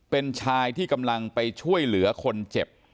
เป็นชายที่กำลังไปช่วยเหลือคนเจ็บ